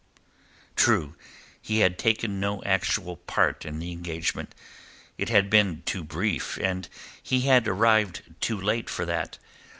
True he had taken no actual part in the engagement. It had been too brief and he had arrived too late for that.